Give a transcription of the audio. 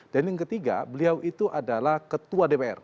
dan yang ketiga beliau itu adalah ketua dpr